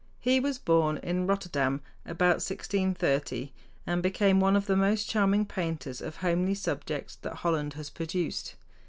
He was born in Rotterdam about 1630, and became one of the most charming painters of homely subjects that Holland has produced.